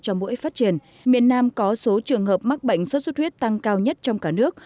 cho mũi phát triển miền nam có số trường hợp mắc bệnh sốt xuất huyết tăng cao nhất trong cả nước